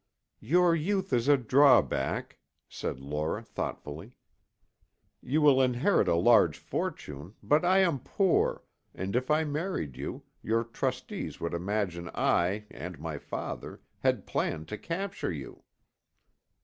"Your youth is a drawback," said Laura thoughtfully. "You will inherit a large fortune, but I am poor, and if I married you, your trustees would imagine I, and my father, had planned to capture you."